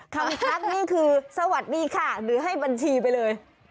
ทักนี่คือสวัสดีค่ะหรือให้บัญชีไปเลย